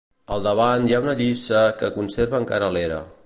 Al davant hi ha una lliça que conserva encara l'era.